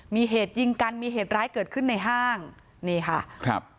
มีเหตุยิงกันมีเหตุร้ายเกิดขึ้นในห้างนี่ค่ะครับ